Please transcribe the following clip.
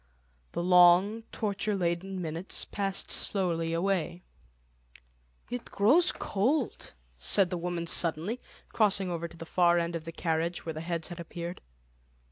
The long torture laden minutes passed slowly away. "It grows cold," said the woman suddenly, crossing over to the far end of the carriage, where the heads had appeared.